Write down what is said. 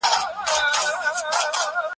د علم په ترلاسه کولو کي هیڅکله سستي مه کوه.